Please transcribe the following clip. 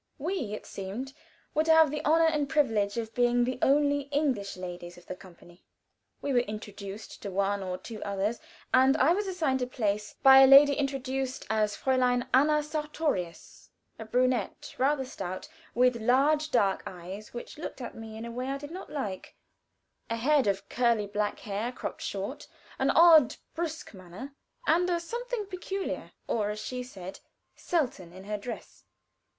We, it seemed, were to have the honor and privilege of being the only English ladies of the company. We were introduced to one or two others, and I was assigned a place by a lady introduced as Fräulein Anna Sartorius, a brunette, rather stout, with large dark eyes which looked at me in a way I did not like, a head of curly black hair cropped short, an odd, brusque manner, and a something peculiar, or, as she said, selten in her dress.